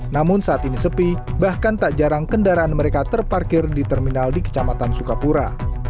namun saat ini sepi bahkan tak jarang kendaraan mereka terparkir di terminal di kecamatan sukapura